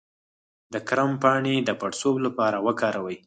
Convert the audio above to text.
د کرم پاڼې د پړسوب لپاره وکاروئ